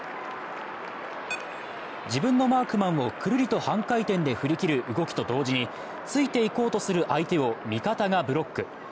自分のマークマンをくるりと半回転で振り切る動きと同時についていこうとする相手を味方がブロック。